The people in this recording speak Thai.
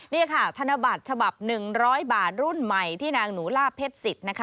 นี่ค่ะธนบัตรฉบับ๑๐๐บาทรุ่นใหม่ที่นางหนูล่าเพชรสิทธิ์นะคะ